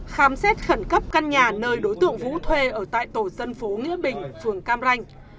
khám xét khẩn cấp căn nhà nơi đối tượng vũ thuê ở tại tổ dân phố nghĩa bình phường cam ranh